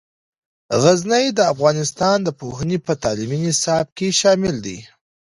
غزني د افغانستان د پوهنې په تعلیمي نصاب کې شامل دی.